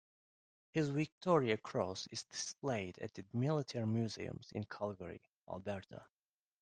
His Victoria Cross is displayed at The Military Museums in Calgary, Alberta.